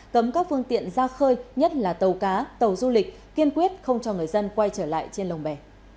cấm các phương tiện ra khơi nhất là tàu cá tàu du lịch kiên quyết không cho người dân quay trở lại trên lồng bè